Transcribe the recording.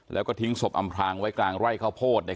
แล้วก็ทิ้งศพอำพลางไว้กลางไร่ข้าวโพดเนี่ย